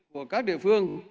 của các địa phương